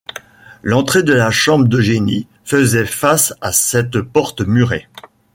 L’entrée de la chambre d’Eugénie faisait face à cette porte murée.